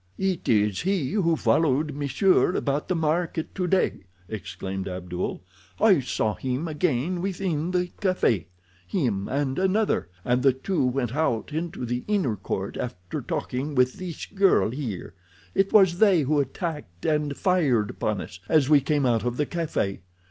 "It is he who followed m'sieur about the market today," exclaimed Abdul. "I saw him again within the café—him and another; and the two went out into the inner court after talking with this girl here. It was they who attacked and fired upon us, as we came out of the café.